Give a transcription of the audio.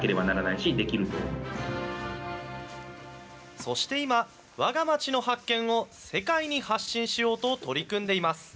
そして今、わが町の発見を世界に発信しようと取り組んでいます。